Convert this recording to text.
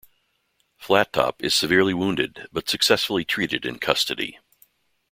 Flattop is severely wounded, but successfully treated in custody.